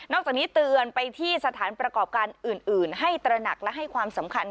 จากนี้เตือนไปที่สถานประกอบการอื่นให้ตระหนักและให้ความสำคัญ